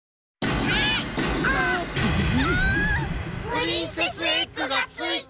プリンセスエッグがついてない。